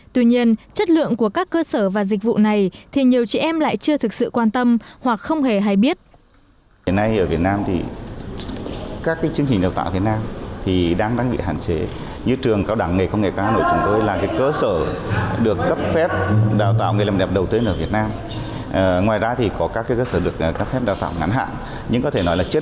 tuy nhiên chất lượng của các cơ sở và dịch vụ này thì nhiều chị em lại chưa thực sự quan tâm hoặc không hề hay biết